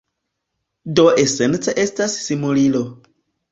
Do esence estas simulilo.